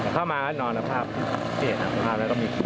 เข้ามาก็นอนนะฮะพี่เห็นภาพแล้วก็มี